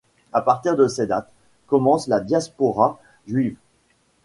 À partir de ces dates, commence la diaspora juive.